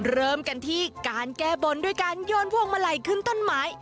เริ่มกันที่การแก้บนด้วยการโยนพวงมาลัยขึ้นต้นไม้